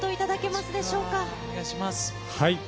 お願いします。